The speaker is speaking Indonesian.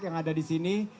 yang ada disini